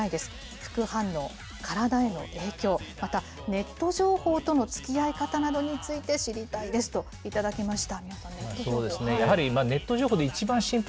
副反応、体への影響、またネット情報とのつきあい方などについて知りたいですと頂きました。